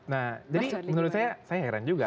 nah jadi menurut saya saya heran juga